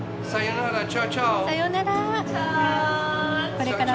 さよなら。